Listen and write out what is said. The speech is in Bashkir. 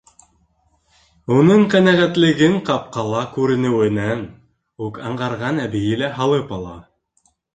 Уның ҡәнәғәтлеген ҡапҡала күренеүенән үк аңғарған әбейе элә һалып ала: